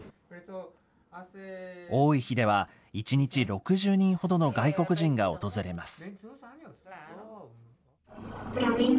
多い日では１日６０人ほどの外国人が訪れます。